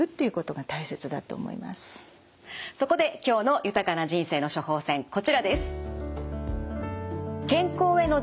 そこで今日の豊かな人生の処方せんこちらです。